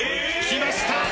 きました